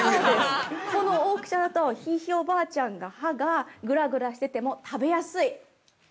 ◆この大きさだとヒーヒーおばあちゃんが歯がぐらぐらしていても食べやすい。